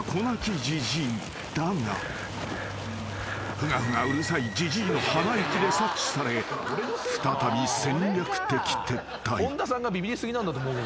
［ふがふがうるさいじじいの鼻息で察知され再び戦略的撤退］